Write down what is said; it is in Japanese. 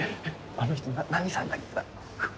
あの人何さんだっけ？